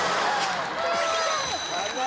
・残念！